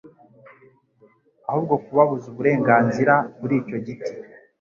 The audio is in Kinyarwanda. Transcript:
ahubwo kubabuza uburenganzira kuri icyo giti